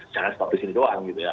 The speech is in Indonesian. jangan stop disini doang gitu ya